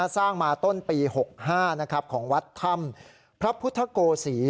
สร้างมาต้นปี๖๕ของวัดถ้ำพระพุทธโกศี